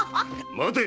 待て！